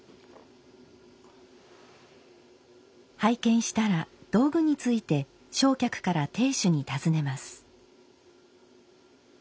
拝見したら道具について正客から亭主に尋ねます。